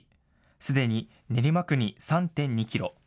すでに練馬区に３．２キロ。